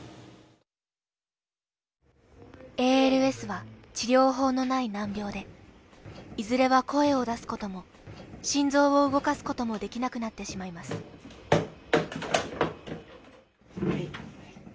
ＡＬＳは治療法のない難病でいずれは声を出すことも心臓を動かすこともできなくなってしまいますはい。